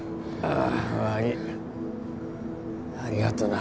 ありがとな。